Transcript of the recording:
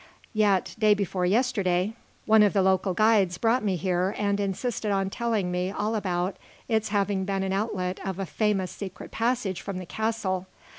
Yet, day before yesterday, one of the local guides brought me here and insisted on telling me all about its having been an outlet of a famous secret passage from the castle.